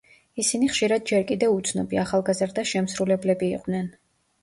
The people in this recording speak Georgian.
ისინი ხშირად ჯერ კიდევ უცნობი, ახალგაზრდა შემსრულებლები იყვნენ.